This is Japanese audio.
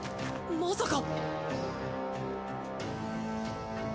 まさか。